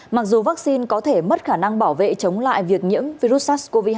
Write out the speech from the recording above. mặc dù vaccine có thể mất khả năng bảo vệ chống lại việc nhiễm virus sars cov hai